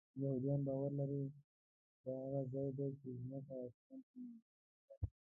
یهودان باور لري دا هغه ځای دی چې ځمکه آسمان ته نږدې ده.